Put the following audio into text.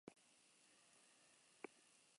Ezin dugu, inolaz ere, haren indarra gutxietsi.